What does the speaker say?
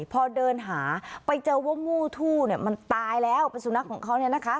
พอเดินหาไปเจอว่ามู้ทู้เนี่ยมันตายแล้วเป็นสุนัขของเขาเนี่ยนะคะ